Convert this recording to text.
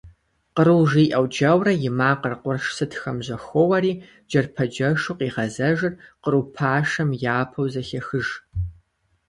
«Къру» жиӀэу джэурэ и макъыр къурш сытхэм жьэхоуэри джэрпэджэжу къигъэзэжыр къру пашэм япэу зэхехыж.